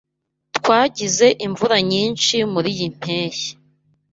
Twagize imvura nyinshi muriyi mpeshyi.